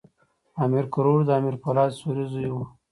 امیر کروړ د امیر پولاد سوري زوی وو.